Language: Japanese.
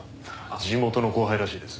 地元の後輩らしいです。